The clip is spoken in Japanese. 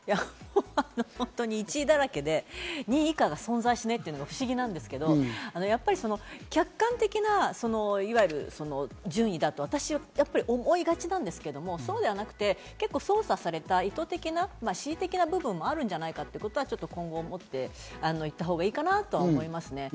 本当に１位だらけで２位以下が存在しないというのが不思議なんですけど、やっぱり客観的ないわゆる順位だと思いがちなんですけど、そうじゃなくて、操作された意図的な、恣意的な部分もあるんじゃないかということは、今後思っておいたほうがいいかなと思います。